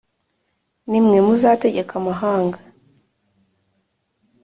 nimwe muzategeka amahanga